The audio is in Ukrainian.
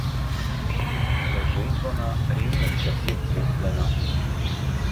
Лежить вона різних часів куплена.